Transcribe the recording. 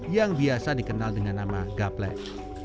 yang biasa dikenal dengan nama gaplek